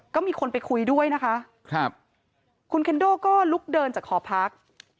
ก็มีคนไปคุยด้วยนะคะครับคุณเคนโดก็ลุกเดินจากหอพัก